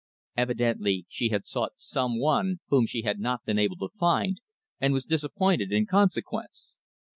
Evidently she had sought some one whom she had not been able to find, and was disappointed in consequence.